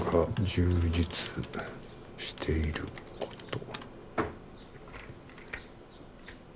充実していること